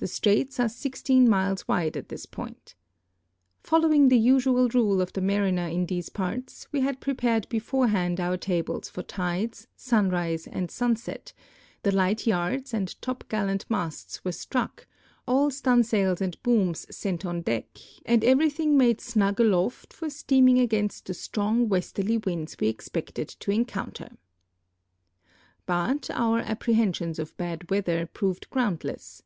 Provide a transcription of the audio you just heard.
Tlie straits are 16 miles wide at this point. Following the usual rule of tlie mariner in these parts, we had prei)ared l)eforehand our tahjes for tides, sunrise, and sunset, the light yards and topgallant masts were struck, all stunsails and hoonis sent on deck, and every thing made snug aloft for steaming against the strong westerlv winds we expected to encounter. But our apprehensions of had weather proved groundless.